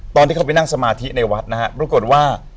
ตอนที่เขาไปนั่งสมาธิในวัดนะฮะปรากฏว่า